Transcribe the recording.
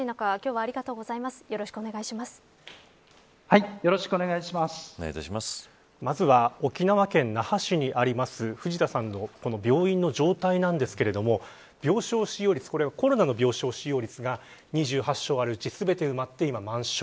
はい、よろしくまずは沖縄県那覇市にあります藤田さんの病院の状態なんですけれども病床使用率これコロナ病床使用率が２８床全て埋まって、今満床。